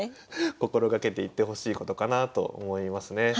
心掛けていってほしいことかなと思いますね。